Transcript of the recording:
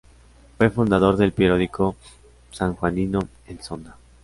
Fue fundador del periódico sanjuanino "El Zonda".